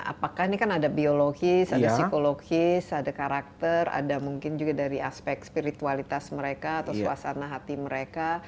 apakah ini kan ada biologis ada psikologis ada karakter ada mungkin juga dari aspek spiritualitas mereka atau suasana hati mereka